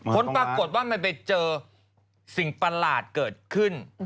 ผลปรากฏว่ามันไปเจอสิ่งประหลาดเกิดขึ้น